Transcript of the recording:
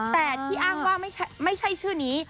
แต่ที่อ้างว่าไม่ใช่ชื่อนี้